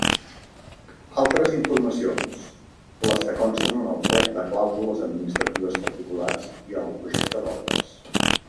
Altres informacions: les que consten en el plec de clàusules administratives particulars i al projecte d'obres.